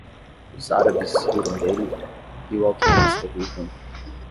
Os árabes riram dele? e o alquimista riu junto.